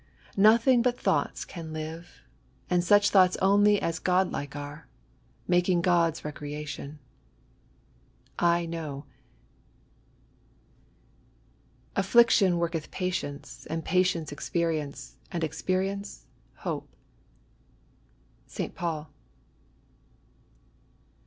Nothing but thoughts can liye, and such thoughts only As gpd like are, making God's reenstion." I. Kkowb. " Affliction woiketh patience: and patience, ezperienoe; and experience, hope.'* St. Paul.